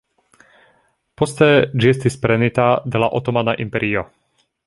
Poste ĝi estis prenita de la Otomana Imperio.